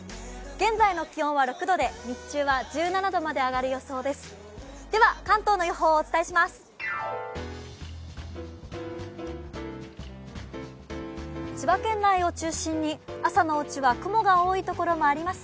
現在の気温は６度で、日中は１７度まで上がる予想です。